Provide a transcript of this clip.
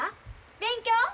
勉強？